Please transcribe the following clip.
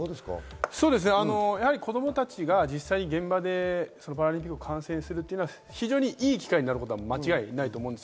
子供たちが実際に現場でパラリンピックを観戦するっていうのが非常に良い機会になることは間違いないと思います。